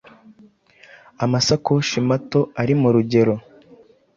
Amasakoshi mato ari murugero